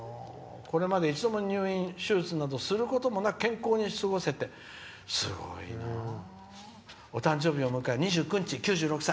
「これまで一度も入院、手術などすることなく健康に過ごせてお誕生日を迎え、９６歳」。